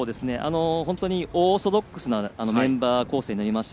オーソドックスなメンバー構成になりました。